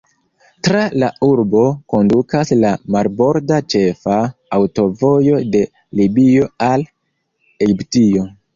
Tra la urbo kondukas la marborda ĉefa aŭtovojo de Libio al Egiptio.